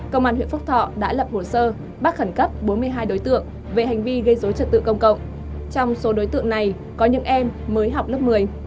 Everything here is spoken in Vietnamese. công an huyện phúc thọ đã lập hồ sơ bắt khẩn cấp bốn mươi hai đối tượng về hành vi gây dối trật tự công cộng trong số đối tượng này có những em mới học lớp một mươi